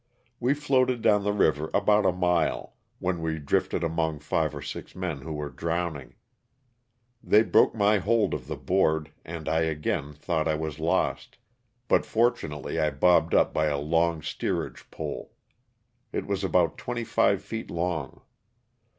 We floated down the river about a mile, when we drifted among five or six men who were drowning. They broke my hold of the board and I again thought I was lost, but fortunately I bobbed up by a long steerage pole. It was about twenty five feet long.